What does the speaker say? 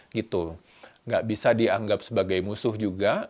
tidak bisa dianggap sebagai musuh juga